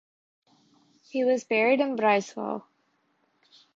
He was buried in Breisgau.